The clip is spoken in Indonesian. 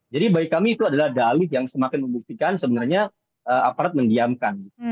jadi bagi kami itu adalah dalit yang semakin membuktikan sebenarnya aparat mendiamkan